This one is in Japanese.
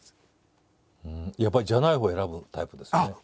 やっぱり「じゃない方」を選ぶタイプですよね。